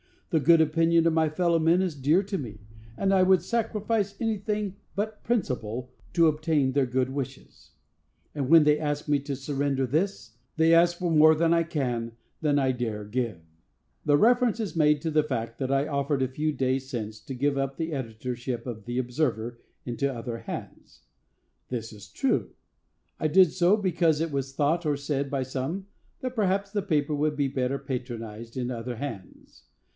The good opinion of my fellow men is dear to me, and I would sacrifice anything but principle to obtain their good wishes; but when they ask me to surrender this, they ask for more than I can, than I dare give. Reference is made to the fact that I offered a few days since to give up the editorship of the Observer into other hands. This is true; I did so because it was thought or said by some that perhaps the paper would be better patronized in other hands.